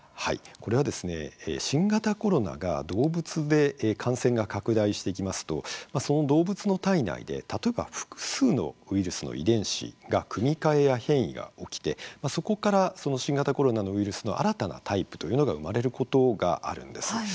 これは、新型コロナが動物で感染が拡大していきますとその動物の体内で例えば、複数のウイルスの遺伝子の組み換えや変異が起きてそこから新型コロナのウイルスの新たなタイプというのが生まれることがあるんです。